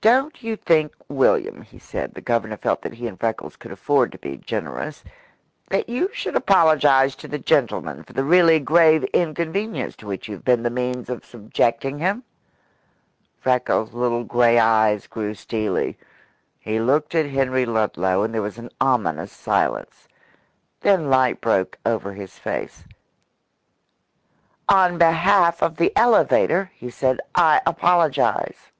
"Don't you think, William," he said the Governor felt that he and Freckles could afford to be generous "that you should apologise to the gentleman for the really grave inconvenience to which you have been the means of subjecting him?" Freckles' little grey eyes grew steely. He looked at Henry Ludlow, and there was an ominous silence. Then light broke over his face. "On behalf of the elevator," he said, "I apologise."